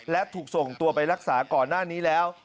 และถูกส่งตัวไปรักษาก่อนหน้านี้แล้ว